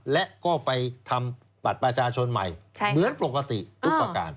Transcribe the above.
และก็ไปทำบัตรประชาชนใหม่เหมือนปกติทุกประการ